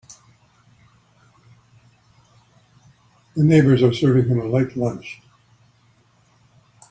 The neighbors are serving him a light lunch.